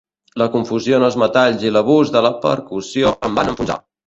La confusió en els metalls i l'abús de la percussió em van enfonsar!